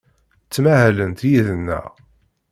Ttmahalent yid-neɣ.